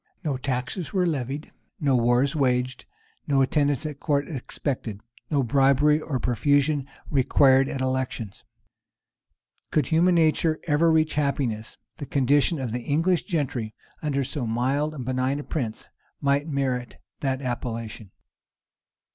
No taxes were levied, no wars waged, no attendance at court expected, no bribery or profusion required at elections.[] Could human nature ever reach happiness, the condition of the English gentry, under so mild and benign a prince, might merit that appellation.